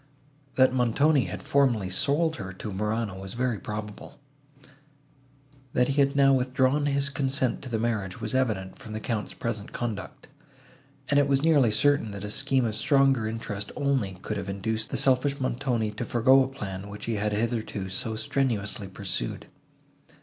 That Montoni had formerly sold her to Morano, was very probable; that he had now withdrawn his consent to the marriage, was evident from the Count's present conduct; and it was nearly certain, that a scheme of stronger interest only could have induced the selfish Montoni to forego a plan, which he had hitherto so strenuously pursued.